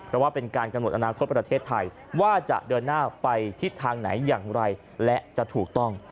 เพราะว่าเป็นการกำหนดอนาคตประเทศไทยว่าจะเดินหน้าไปทิศทางไหนอย่างไรและจะถูกต้อง